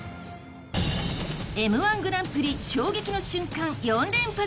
Ｍ−１グランプリ衝撃の瞬間４連発！